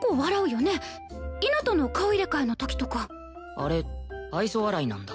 あれ愛想笑いなんだ。